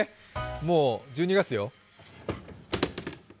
もう１２月よ。